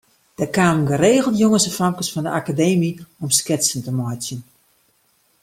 Der kamen geregeld jonges en famkes fan de Akademy om sketsen te meitsjen.